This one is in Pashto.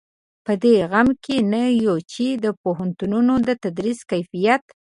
په دې غم کې نه یو چې د پوهنتونونو د تدریس کیفیت.